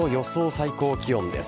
最高気温です。